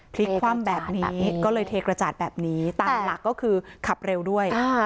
พลิกคว่ำแบบนี้ก็เลยเทกระจาดแบบนี้ตามหลักก็คือขับเร็วด้วย